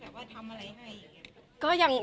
แล้วเขาจะทำอะไรให้อย่างนี้